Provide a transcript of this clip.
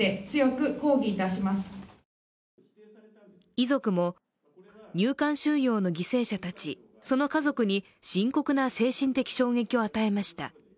遺族も入管収容の犠牲者たち、その家族に深刻な精神的衝撃を与えました。